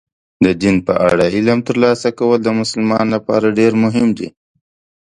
د دین په اړه علم ترلاسه کول د مسلمان لپاره ډېر مهم دي.